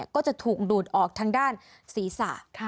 ก็จะถูกดูดออกทางด้านศีรษะ